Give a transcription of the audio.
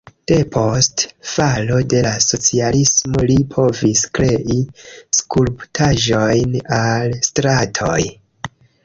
Depost falo de la socialismo li povis krei skulptaĵojn al stratoj.